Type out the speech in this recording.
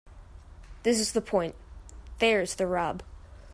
This is the point. There's the rub.